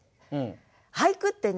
俳句ってね